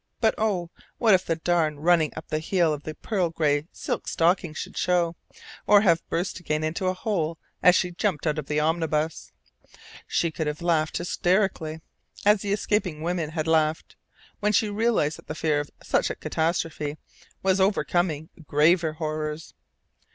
But oh! what if the darn running up the heel of the pearl gray silk stocking should show, or have burst again into a hole as she jumped out of the omnibus? She could have laughed hysterically, as the escaping women had laughed, when she realized that the fear of such a catastrophe was overcoming graver horrors.